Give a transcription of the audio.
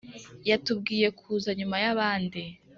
yatubwiye kuza nyuma yabandi.